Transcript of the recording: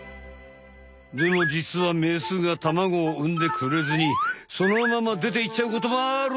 でもじつはメスがタマゴをうんでくれずにそのままでていっちゃうこともある。